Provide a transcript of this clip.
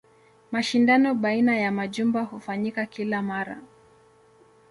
Mashindano baina ya majumba hufanyika kila mara.